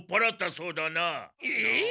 えっ？